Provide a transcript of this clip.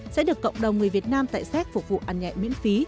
sẽ được cộng đồng người việt nam tại séc phục vụ ăn nhẹ miễn phí